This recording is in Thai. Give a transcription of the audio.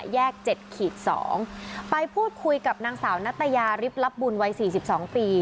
แยกเจ็ดขีดสองไปพูดคุยกับนางสาวนัตยาริบลับบุญวัยสี่สิบสองปี